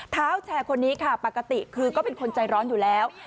เท้าแชร์คนนี้ค่ะปกติคือก็เป็นคนใจร้อนอยู่แล้ว